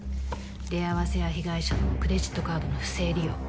出会わせ屋被害者のクレジットカードの不正利用